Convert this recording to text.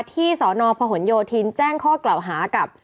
สนพหนโยธินแจ้งข้อกล่าวหากับ